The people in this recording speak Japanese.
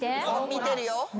見てるよ。